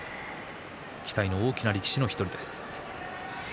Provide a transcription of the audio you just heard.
期待の大きな力士の１人です。